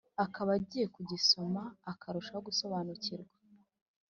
akaba agiye kugisoma akarushaho gusobanukirwa